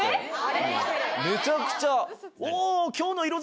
めちゃくちゃ。